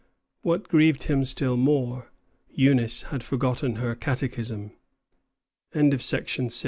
What grieved him still more, Eunice had forgotten her catechism. While he was